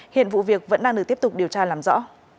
hiện vụ việc vẫn đang được tiếp tục điều tra làm rõ